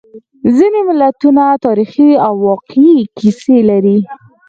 ځینې متلونه تاریخي او واقعي کیسې لري